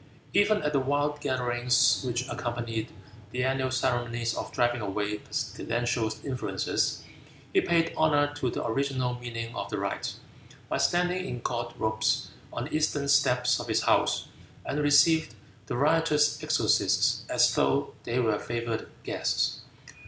Even at the wild gatherings which accompanied the annual ceremony of driving away pestilential influences, he paid honor to the original meaning of the rite, by standing in court robes on the eastern steps of his house, and received the riotous exorcists as though they were favored guests.